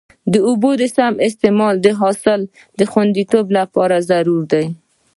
د اوبو سم استعمال د حاصل خوندیتوب لپاره ضروري دی.